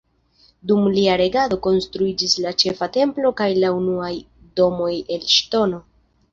Dum lia regado konstruiĝis la Ĉefa Templo kaj la unuaj domoj el ŝtono.